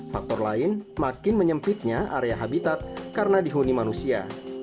faktor lain makin menyempitnya area habitat karena dihuni manusia